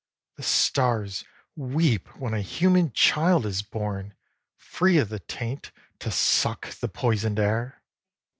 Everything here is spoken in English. The stars weep when a human child is born, Free of the taint, to suck the poisoned air.